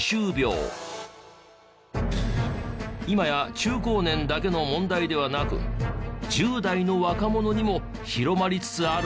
今や中高年だけの問題ではなく１０代の若者にも広まりつつあるんです。